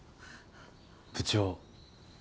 部長。